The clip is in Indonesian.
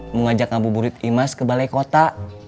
mengajak abu burit imaz ke balai kota